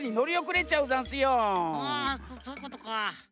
あそういうことか。